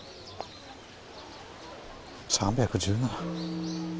３１７。